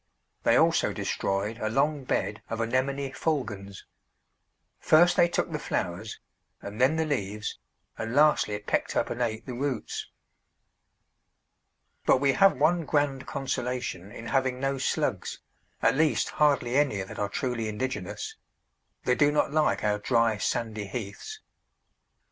They also destroyed a long bed of Anemone fulgens. First they took the flowers, and then the leaves, and lastly pecked up and ate the roots. But we have one grand consolation in having no slugs, at least hardly any that are truly indigenous; they do not like our dry, sandy heaths.